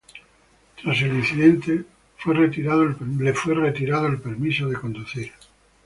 Tras el incidente, le fue retirado el permiso de conducir.